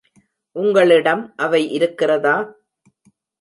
உங்களிடம் அவை இருக்கிறதா?